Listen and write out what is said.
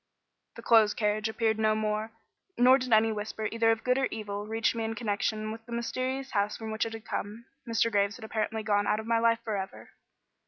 The closed carriage appeared no more; nor did any whisper either of good or evil reach me in connection with the mysterious house from which it had come. Mr. Graves had apparently gone out of my life for ever.